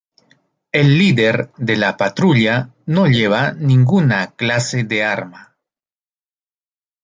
El líder de la patrulla no lleva ninguna clase de arma.